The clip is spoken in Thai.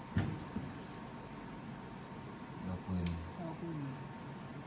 กลุ่มใหม่กับหมอกมือ